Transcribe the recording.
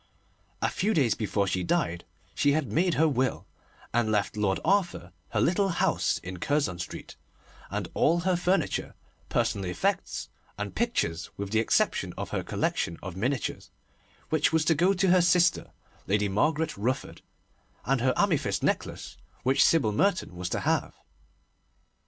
A few days before she died she had made her will, and left Lord Arthur her little house in Curzon Street, and all her furniture, personal effects, and pictures, with the exception of her collection of miniatures, which was to go to her sister, Lady Margaret Rufford, and her amethyst necklace, which Sybil Merton was to have.